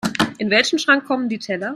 In welchen Schrank kommen die Teller?